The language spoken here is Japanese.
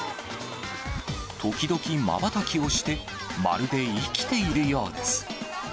時々まばたきをして、まるで生きているようです。